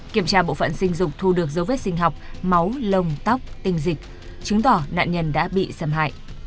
kiểm tra bộ phận sinh dục thu được dấu vết sinh học máu lồng tóc tình dịch chứng tỏ nạn nhân đã bị xâm hại